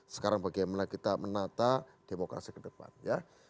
sekarang bagaimana kita menata demokrasi ke depan ya